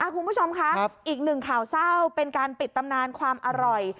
คุณผู้ชมคะอีกหนึ่งข่าวเศร้าเป็นการปิดตำนานความอร่อย